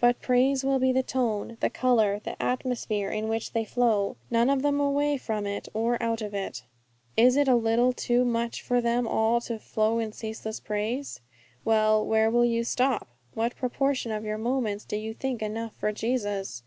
But praise will be the tone, the colour, the atmosphere in which they flow; none of them away from it or out of it. Is it a little too much for them all to 'flow in ceaseless praise'? Well, where will you stop? What proportion of your moments do you think enough for Jesus?